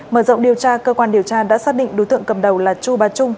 mở rộng điều tra cơ quan điều tra đã xác định đối tượng cầm đầu là chu bà trung